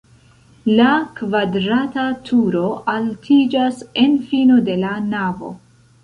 La kvadrata turo altiĝas en fino de la navo.